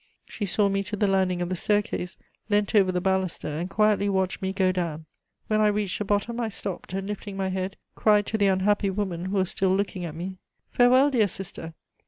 She saw me to the landing of the staircase, leant over the baluster, and quietly watched me go down. When I reached the bottom I stopped, and lifting my head, cried to the unhappy woman who was still looking at me: "Farewell, dear sister!